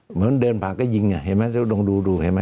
เหมือนเดินผ่านก็ยิงเนี่ยเห็นมั้ยต้องดูดูเห็นมั้ย